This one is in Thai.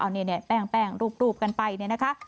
เอาแบบนี้แป้งรูปกันไปนะคะ